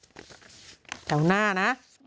อืมแถวหน้าน่ะ